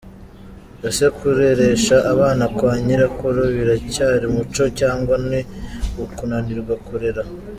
Ese kureresha abana kwa Nyirakuru biracyari umuco cyangwa ni ukunanirwa kurera?